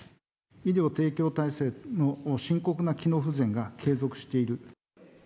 医療提供体制の深刻な機能不全が継続している。